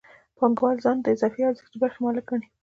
پانګوال ځان د اضافي ارزښت د برخې مالک ګڼي